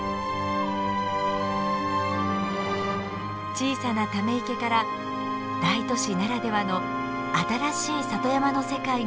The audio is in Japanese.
小さなため池から大都市ならではの新しい里山の世界が広がり始めています。